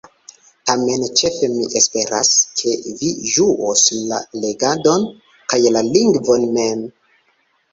Tamen ĉefe mi esperas, ke vi ĝuos la legadon, kaj la lingvon mem.